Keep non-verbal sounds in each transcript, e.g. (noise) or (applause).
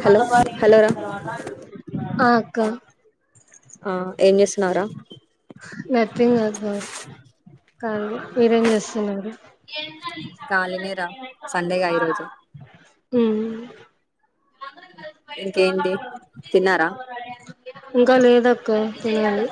Hello hello రా అక్క ఆ ఏం చేస్తున్నావురా నథింగ్ అ బ కాదు మీరేం చేస్తున్నారు అ కాలినే రా సండేగా ఈరోజు ఉ ఇంకేంటి తిన్నారా ఇంకా లేద అక్క చేయాలి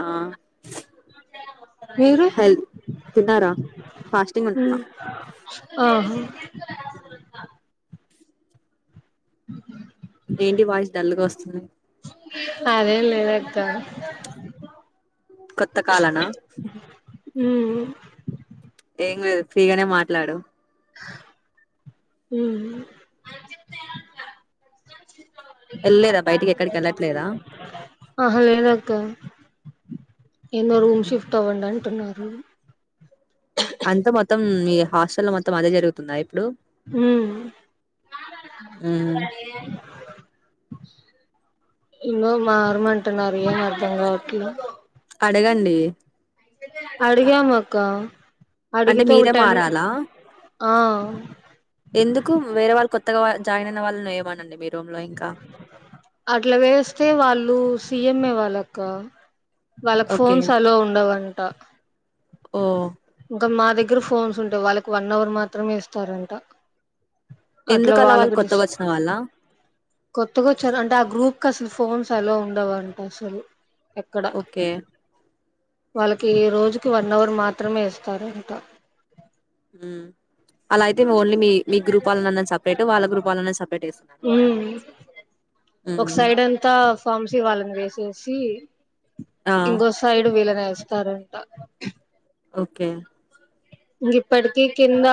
ఆ మీరు హెల్ తిన్నారా ఫాస్టింగ్ ఉంటున్నా ఉమ్ ఆహా ఉమ్ ఏంటి వాయిస్ డల్గా వస్తుంది అదేం లేదక్క కొత్త కాల్అనా ఉమ్ హు ఏం లేదు ఫ్రీగానే మాట్లాడు మ్ హు వెళ్ళలేదా బయటికి ఎక్కడికి వెళ్ళట్లేదా ఆహా లేనక్క ఏన్నో రూమ్ మ్మ్. షిఫ్ట్ అవ్వండి అం టున్నారు అంత మొత్తం ఈ హాస్టల్ మొ మొత్తం అదే జరుగుతుందా ఇప్పుడు హుమ్ ఉమ్ అడి ఎన్నో మారమంటున్నారు ఏం అర్ధంగావట్లే అడగండి అడిగామక్క అంటే మీరే మారాలా అ ఎందుకు వేరే వాళ్ళు కొ త్తగా జాయిన్ అయిన వాళ్ళను ఏయమనండి మీ రూ అట్లా వేస్తే వాళ్ళు సి ఇఎంఏ వాళ్ళక్క వాళ్ళకి ఓకే ఫోన్స్ అలో ఉండవుం ట ఓ కాని మా దగ్గర ఫోన్స్ ఉంటాయి వాళ్ళకి వన్ అవర్ మాత్రమే ఇస్తారంట అట్లా ఎందుకు అలా వాళ్ళు వాళ్ళకి డిస్ కొత్తగా వచ్చిన వాళ్ళ కొత్తగా వచ్చారు అంటే ఆ గ్రూప్ కి అసలు ఫోన్స్ అలో ఉండవుంట అసలు ఎక్కడ ఓకే వాళ్ళకి ఈ రోజుకి వన్ అవర్ మాత్రమే ఇస్తారంట మ్ అలా అయితే ఓన్లీ మీ మీ గ్రూప్ వాళ్ళనన్న సపరేట్ వాళ్ళ గ్రూప్ వాళ్ళనన్న సపరేట్ ఏస్తున్నారా ఉమ్ ఒక సైడ్ అంతా ఫామ్స్ ఇవ్వాలండి శసి ఆ ఇంగొ సయిడు వీలనే ఇస్తారంట ఓకే ఇంక ఇప్పటికీ కింద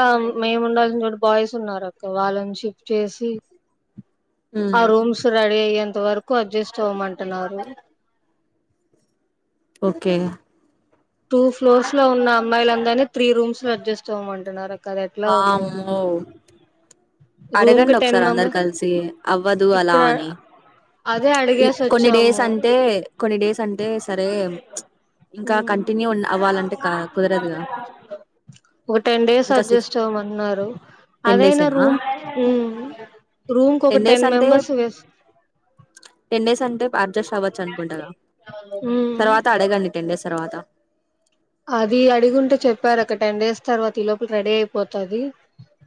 మేము ఉండాల్సిన చోట బాయ్స్ ఉన్నారు అక్క వాళ్ళని షిఫ్ట్ చేసి. మ్మ్ ఆ రూమ్స్ రెడి అయాయ్ కొంత వరకు అడ్జస్ట్ అవంటున్నారు ఓకే టూ ఫ్లోర్స్ లో ఉన్న అమ్మాయిలందరిని త్రీ రూమ్స్ లో అడ్జస్ట్వ్వమంటున్నారు వామ్మో రూమ్ కి అడగండి టెన్ ఒకసారి అందరు మెంబర్ కలిసి అవ్వదు అలా ఇప్పుడు అని అదే అడిగేసి కొన్ని డేస్ వచ్చాము అంటే కొన్ని డేస్ అంటే సరే ఇంకా కంటిన్యూ అవ్వాలంటే క కుదరదుగా ఒక టెన్ డేస్ ఇంకా సిక్స్ అడ్జస్ట్ అవ్వమన్నారు టెన్ డేస్ అదైనా ఏ. రూమ్ హ్మ్మ్ రూమ్ కు ఒక డేస్ టెన్ అంటే మెంబర్స్ వేస్ టెన్ డేస్ అంటే అడ్జస్ట్ అవ్వచ్చు అనుకుంటాగా ఉమ్ తర్వాత అడగండి టెన్ డేస్ తర్వాత అది అడిగుంటే చెప్పారు ఒక టెన్ డేస్ తర్వాత ఈ లోపల రెడీ అయిపోతుది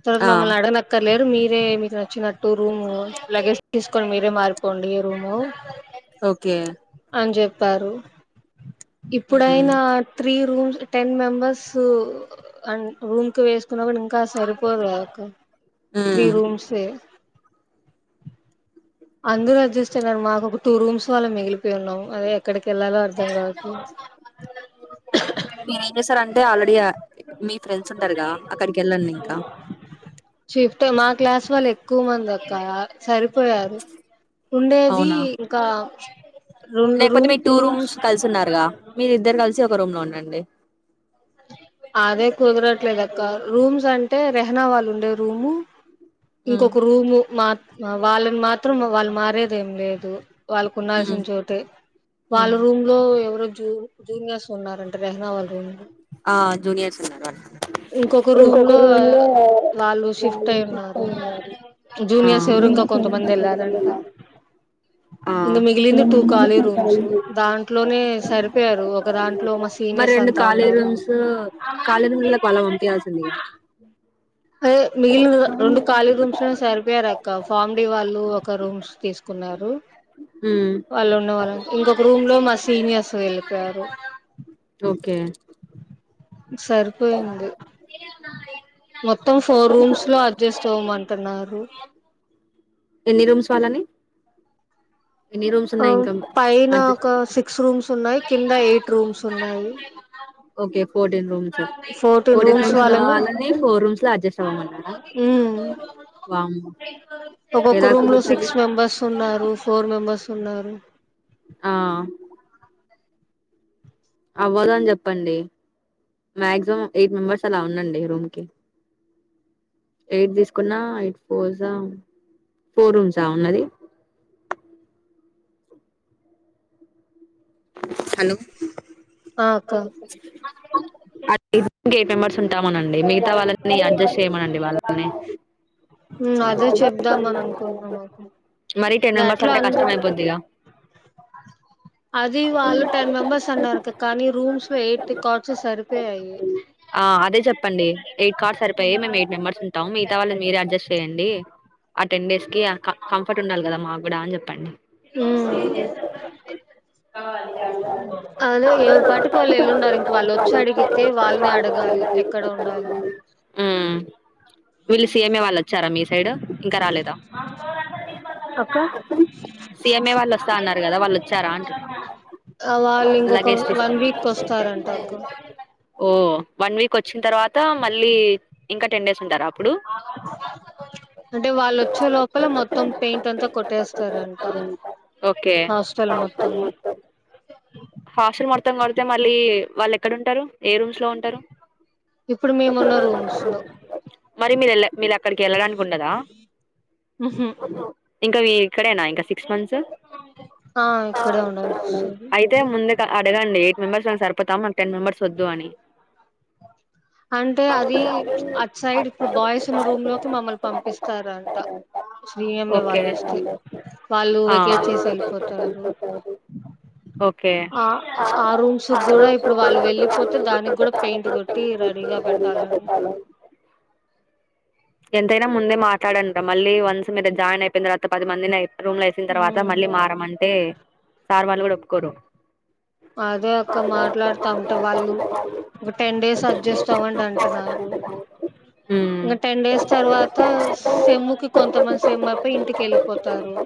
తో ఆ మమ్మల్ని అడగనక్కర్లేదు మీర్ మీరే మీకు నచ్చినట్టు రూము లగేజ్ తీసుకొని మీరే మారిపోండి రూము ఓకే ప్పారు మ్మ్ ఇప్పుడైనా త్రీ రూమ్స్ టెన్ మెంబర్స్ అన్ రూమ్ కి వేసుకున్న కూడాడు ఇంకా సరిపోదు కదక్క. త్రీ మ్మ్ రూమ్స్ ఏ అందరు అడ్జస్ట్ అయినారు మాకు ఒక టూ రూమ్స్ వాళ్ళ మిగిలిపోయి ఉన్నాం అదే ఎక్కడికి వెళ్ళాలో అర్ధం కావట్లేదు. అంటే ఆల్రడియా మీ ఫ్రెండ్స్ ఉంటారుగా అక్కడికి వెళ్ళండి ఇంకా షిఫ్ట్ మా క్లాస్ వాళ్ళు ఎక్కువ మంది అక్క సరిపో పోయారు ఉండేది అవునా ఇంకా రెండు లేకపోతే రూమ్ మీ టూ రూమ్స్ కలిసి ఉన్నారుగా మీరిద్దరు కలిసి రూమ్ లో ఉండండి అదే కుదరట్లేదు అక్క రూమ్స్ అంటే రెహనా వాళ్ళు ఉండే రూము మ్మ్ ఇంకొక రూమ్ మా వాళ్ళని మాత్రం వాళ్ళు మరేదేం లేదు వాళ్ళకు మ్మ్ ఉన్నాల్సిన చోట వాళ్ళ మ్మ్ రూమ్ లో ఎవరు జూ జూనియర్స్ ఉన్నారంట రెహనా వాళ్ళు రూంలో ఆ జూనియర్స్ ఉన్నారు వాళ్ళు ఇంకొక రూమ్ లో వాళ్ళు షిఫ్ట్ అయి ఉన్నారు జూనియర్స్ ఎవరు ఇంకా కొంతమంది వెళ్లారంట ఆ! ఇంక సో మిగిలింది టూ మినిమమ్ కాళీ ఇప్పుడు రూమ్స్ ఖాళీ దాంట్లోనే సరిపోయారు ఒక దాంట్లో మా సీనియర్స్ అంతా ఉ ప్లేరూమ్స్ కాలేజ్ రూమ్ లా మళ్ళ పంపియాల్సింది ఇగ అదే మిగిలిన రెండు ఖాళీ రూమ్స్నే సరిపోయారు అక్క ఫామిడి వాళ్ళు ఒక రూమ్స్ తీసుకున్నారు హ్మ్ వాళ్ళు ఉన్న వాళ్ళ ఇంకొక రూమ్ లో మా సీనియర్స్ వెళ్ళిపోయారు ఓకే సరిపోయింది మొత్తం ఫోర్ రూమ్స్ లో అడ్జస్ట్ అవ్వమంటున్నారు ఎన్ని రూమ్స్ వాళ్ళాని ఆ పైన ఒక సిక్స్ రూమ్స్ ఉన్నాయి కింద ఎయిట్ రూమ్స్ ఉన్నాయి okay fourteen rooms fourteen rooms లో వాళ్ళను వాళ్ళని ఫోర్ రూమ్స్ లో అడ్జస్ట్ అవ్వమన్నారా హ్మ్ వామ్మో ఒక్కొక్క ఎలా రూమ్ లో కుదురుతది సిక్స్ మెంబెర్స్ ఉన్నారు ఫోర్ మెంబెర్స్ ఉన్నారు ఆ అవ్వదు అని చెప్పండి మాక్సిమం ఎయిట్ మెంబెర్స్ అలా ఉందండి రూమ్ కి ఎయిట్ తీసుకున్నా ఎయిట్ ఫోర్జ ఫోర్ రూమ్స్ ఆ ఉన్నది హలో ఆ అక్క అద ఐదు గేట్ ఏమర్ చుంటామనండి మిగతా వాళ్ళని అడ్జస్ట్ చేయమండి వాళ్ళనే అదే చెప్దామని అనుకుంటున్నాం అక్క మరి టెన్ మెంబర్స్ గట్లా అంటే కష్టం అందరు అయిపోద్ధిగా ఇది వాళ్ళు టెన్ మెంబెర్స్ అన్నారు కానీ రూమ్స్ లో ఎయిట్ కార్ట్స్ సరిపోయాయి ఆ చెప్పండి ఎయిట్ కార్ట్స్ సరిపోయాయి మేము ఎయిట్ మెంబర్స్ ఉంటాం మిగతా వాళ్ళను మీరే అడ్జస్ట్ చేయండి ఆ టెన్ డేస్ కంఫర్ట్ ఉండాలి కదా మా కూడా అని చెప్పండి హ్మ్ అదే ఎవరి పాటికి వాళ్ళు ఎళ్ళుండారు ఇంక వాళ్ళు వచ్చి అడిగితే వాళ్ళని అడగాలి ఎక్కడ ఉండాలా హ్మ్ వీళ్ళు సీఎంఏ వాళ్ళు వచ్చారా మీ సైడ్ ఇంకా రాలేదా అక్క సీఎంఏ వాళ్ళు వస్తా అన్నారు కదా వాళ్ళు వచ్చారా అంటు వాళ్ళు ఇంకొక వన్ తీసుకొని వీక్ వస్తారంటక్క ఓ వన్ వీక్ వచ్చి తర్వాత మళ్ళీ ఇంకా టెన్ డేస్ ఉంటారా అప్పుడు అంటే వాళ్ళు వచ్చే లోపల మొత్తం పెయింట్ అంతా కొట్టేస్తారంట ఓకే హాస్టల్ మొత్తం హాస్టల్ మొత్తము కొడితే మళ్ళి వాళ్ళు ఎక్కడుంటారు ఏ రూమ్లో ఉంటారు ఇప్పుడు మేమున్న రూమ్స్ లో మరి మీరు మీరు అక్కడికి వెళ్ళడానికి ఉండదా ఉహు ఇంకా మీ ఇక్కడేనా ఇంకా సిక్స్ మంత్స్ ఆ ఇక్కడే ఉండాల్సి వస్తది అయితే ముందుగా అడగాలి ఎయిట్ మెంబర్స్ సరిపోతాం టెన్ మెంబర్స్ వద్దు అని అంటే అది అటు సైడ్ ఇప్పుడు బాయ్స్ ఉన్న రూమ్ లోకి మమ్మల్ని పంపిస్తారంట సీఎంఏ ఓకే వాళ్ళు వస్తే వాళ్ళు వెకేట్ వాళ్ళు చేసి కూడా కొంచెం వెళ్ళిపోతారు వెళ్ళిపోతారు ఓకే ఆ ఆ రూమ్స్కు కూడా రోజు ఇప్పుడు కూడా వాళ్ళు ఇప్పుడు వెళ్ళిపోతే దానికి కూడా పెయింట్ కొట్టి రెడీగా సరిద పెట్టాలంట చాలా (unintelligible) ఎంతైనా ముందే మాట్లాడండి మళ్ళీ వన్స్ మీరు జాయిన్ అయిపోయిన తరువాత పది మందిని అయి రూమ్ లో వేసిన తర్వాత మళ్ళీ మారమంటే సార్ వాళ్ళు కూడా ఒప్పుకోరు అదే అక్క వాళ్ళే ఎక్కువ మాట్లాడుతా ఉంటే మాట్లాడితే వాళ్ళు అంత ఒక టెన్ డేస్ అడ్జస్ట్ డేస్ అవ్వండి అంటున్నారు చూసుకోవద్దంట దానికి ఉమ్ ఇంక టెన్ డేస్ తర్వాత పోతారు సెమ్ము కి కొంతమంది సెమ్ అయిపోయి ఇంటికి వెళ్ళిపోతారు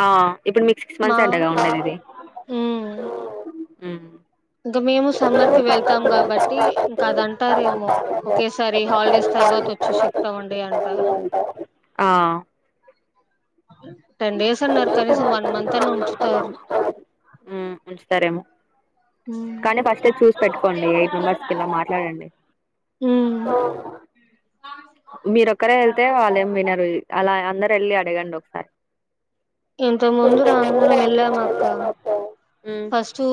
ఆ ఇప్పుడు మీకు సిక్స్ మా మంత్స్ అంటగా ఆ ఇంకా మేము సమ్మర్ కి వెళ్తాం కాబట్టి ఇంకా అద సగం అంటారేమో టైం ఒకేసారి హాలిడేస్ తర్వాత వచ్చి షిఫ్ట్ అవ్వండి అంటారు ఆ టెన్ డేస్ అన్నారు కనీసం వన్ మంత్ అన్నా ఉంచుతారు తారేమో ఉమ్ కానీ ఫస్టే చూసి పెట్టుకోండి ఎయిట్ మెంబర్స్ కి ఇలా మాట్లాడండి హ్మ్ మీరొక్కరే వెళ్తే వాళ్ళేం వినరు అలా అందరు వెళ్ళి అడగండి ఒకసారి ఇంతకు ముందుర అందరం వెళ్ళాము అక్క ఫస్ట్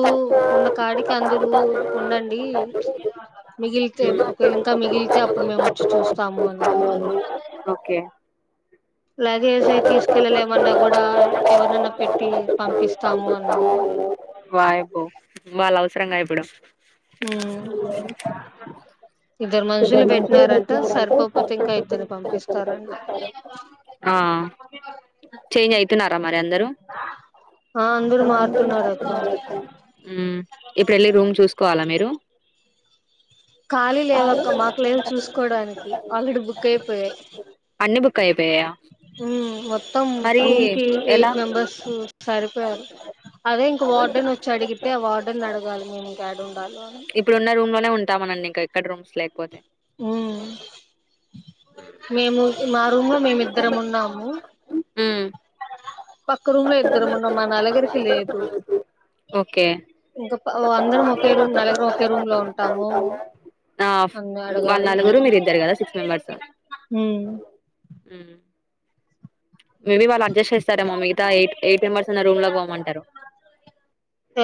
ఉన్న కాడికి అందరు ఉండండి కారు ఉండదు మిగిలితే ఒకవేళ ఇంకా మిగిలితే అప్పుడు మేము వచ్చి చూస్తాం ఓకే లగేజ్ అయి తీసుకెళ్ళలేమన్నా కూడా ఎవరినన్నా పెట్టి పంపిస్తాము అన్నారు అని వాయబో వాళ్ళ అవసరంగా ఇప్పుడు ఇద్దరు మనుషులు పెట్టినారంట సరిపోపో అ చేంజ్ అవుతున్నారా మరి అందరూ ఆ అందరూ మారుతున్నారు అక్క ఉమ్ ఇప్పుడు వెళ్ళి రూమ్ చూసుకోవాలా మీరు ఖాళీ లేవక్క మాకు లేవు చూసుకోవడానికి వా ఇ బుక్ అయిపోయాయి అన్ని బుక్ అయిపోయాయా మొత్తం మరి రూమ్ కి ఎలా ఎయిట్ మెంబెర్స్ సరిపోయారు అదే ఇంక వార్డెన్ వచ్చి అడిగితే ఆ వార్డెన్ అడగాలి మేము ఇంకా ఏడుండాలో అని వెళ్తా మరి ఎక్కడ రూమ్స్ లేకపోతే ఆ మేము మా రూమ్ లో మేమిద్దరం ఉన్నాము అ పక్క రూమ్ లో ఇద్దరముండ మా నలగరికి లేదు ఓకే ఇంకా అందరం ఒకే రూమ్ నలగరం ఒకే రూమ్ లో ఉంటాము ఆ అన్ని వాళ్ళు అడగాలి నలుగురు మీరు ఇద్దరు కదా సిక్స్ ఆ మేబి వాళ్ళు అడ్జస్ట్ చేస్తారేమో మిగతా ఎయిట్ మెంబర్స్ ఉన్న రూమ్ ల కీ పొమ్మంటారు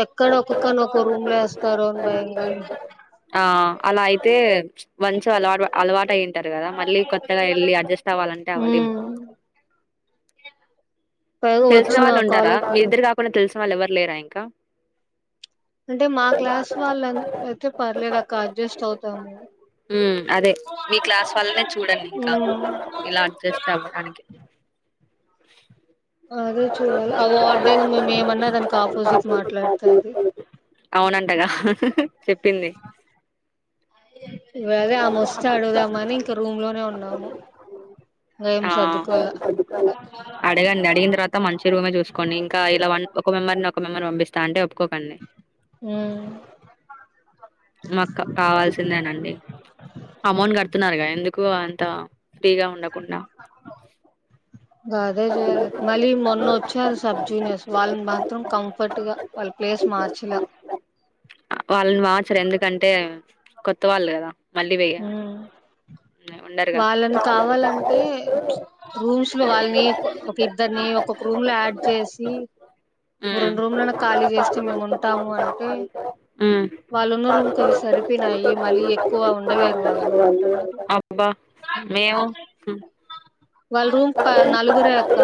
ఎక్కడ ఒక్కొక్కరిని ఒక్కో రూమ్ లో వేస్తారో అని భయంగాని అలా అయితే మంచి గా అలవాటు అయి ఉంటారు కదా మళ్లీ కొత్తగా వెళ్లి అడ్జస్ట్ అడ్జస్ట్ అవ్వాలంటే అవలేమ్ ఉమ్ పైగా తెలిసిన వచ్చిన వాళ్ళు ఉంటార కాలేజ్ మీ ఇద్దరు కాకుండ పోనీ తెలిసిన వాళ్ళు ఎవ్వరు లేరా ఇంక అంటే మా క్లాస్ వాళ్ళంత అయితె పర్లేదు అక్క అడ్జస్ట్ అవుతాము ఉమ్ అదే మీ క్లాస్ వాళ్ళనే చూడండి ఇంకా ఇలా అడ్జస్ట్ అవ్వడానికి (unintelligible) అదే చూడాలి ఆ వార్డెన్ మేము ఏమన్నా దానికి ఆపోజిట్ మాట్లాడతది అవునంటగా చెప్పింది గదె ఆమె వస్తే అడుగుదామని ఇంకా రూమ్ లోనె ఉన్నాము ఇంకా ఏమ్ ఆ సర్దుకోలా అడగండి అడిగిన తర్వాత మంచి రూమె చూసుకోండి ఇంక ఇలా వన్ ఒక మెంబర్ ఒక మెంబర్ని పంపిస్తా అంటె ఒప్పు అ (inaudible) మాకు కావాల్సిందేనండి అమౌంట్ కడుతున్నారుగా ఎందుకు అంత ఫ్రీగా ఉండకుండ అ అదే చేయాలి మళ్ళీ మొన్న వచ్చే అది సబ్ జూనియర్స్ వాళ్ళని మాత్రం కంఫర్ట్ గా వాళ్ళ ప్లేస్ మార్చల వాళ్ళని మా ర్చరు ఎందుకంటె కొత్త వాళ్ళు కదా మళ్ళీ వెయ్య హు ఉండరుగా వాళ్ళని కావాలంటె వాళ్ళంతా రూమ్స్ లో వాళ్ళని ఒక్క ఇద్దరినీ ఒక్కొక్క రూమ్ లో ఆడ్ చేసి ఓ హ్మ్ రెండు రూములు ఖాళీ చేసి చాలా మేము మంచిగా ఉంటాంము ఉంటాము అంటే హ్మ్ ఉన్న రూమ్ కి అవి సరిపోయినాయి మళ్ళీ ఎక్కువ ఉ అబ్బా మేము వాళ్ళ పై నలుగురే అక్క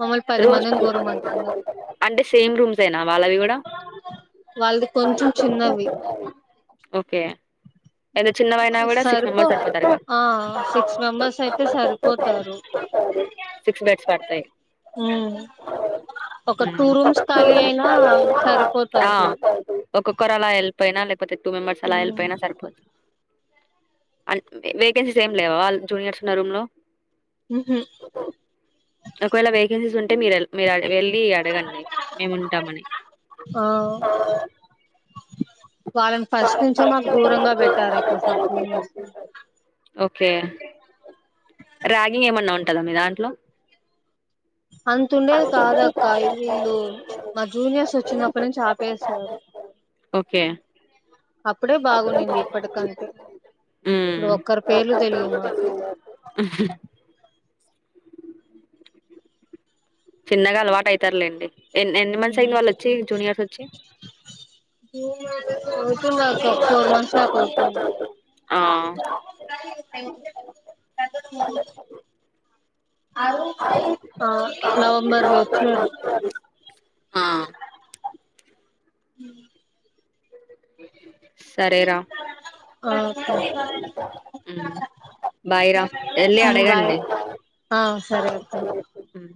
మమ్మల్ని పది రూమ్స్ మందిని దూరమంటున్నాది అంటే సేమ్ రూమ్సేనా వాళ్ళవి కూడా వాళ్ళది కొంచెం చిన్నవి ఏంత చిన్నవైనా కూడా సిక్స్ సరిపో మెంబర్స్ సరిపోతారు ఆ సిక్స్ మెంబర్స్ అయితే సిక్స్ మెంబర్స్ అయితే కరెక్ట్ గా సరిపోతారు సరిపో సిక్స్ బెడ్స్ పడతాయి ఉమ్ ఒక టూ రూమ్స్ ఖాళీ ఒకొక్కల్ అయినా సరిపోతాది ఒక్కొక్కర అలా ఎల్ పోయినలే టూ మెంబర్స్ అలా ఎళ్ళిపోయిన సరిపో అన్ వేకెన్సీస్ ఏం లేవా జూనియర్స్ ఉన్న రూమ్ లో ఉహు ఒకవేళ వేకెన్సీస్ ఉంటె మీరు మీరు వెళ్ళి అడగండి మేముంటామని ఆ వాళ్ళని ఫస్ట్ నుంచె మాకు దూరంగా పెట్టారక్క సబ్ జూనియర్స్ ని ఓకే ర్యాగింగ్ ఏమన్నా ఉంటదా మీ దాంట్లో అంతుండేది కాదక్క వీళ్ళు మా జూనియర్స్ వచ్చినప్పటి నుంచి ఆపేశారు ఓకే అప్పుడే బాగున్నింది ఇప్పటికంటె ఇప్పుడు మ్మ్ ఒక్కరి పేర్లు తెలివు మాకు చిన్నగ అలవాటు అయి పోతారు లేండి ఎన్ని ఎన్ని మంత్స్ అయ్యింది వాళ్ళు వచ్చి జూనియర్స్ వచ్చి అవుతుంది అక్క ఒక ఫోర్ మంత్స్ దాకా అవుతుంది ఆ ఆ నవంబర్ లో వొచ్చినారు ఆ హ్మ్ (unintelligible) ఆ ఒకే ఉమ్ బాయ్ రా వెళ్ళి మ్మ్ బాయ్ అడగండి ఆ సరే అక్క ఉమ్